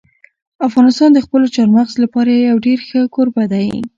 افغانستان د خپلو چار مغز لپاره یو ډېر ښه کوربه دی.